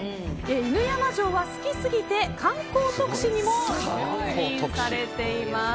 犬山城は好きすぎて観光特使にも就任されています。